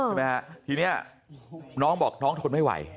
ใช่ไหมฮะทีนี้น้องบอกน้องทนไม่ไหว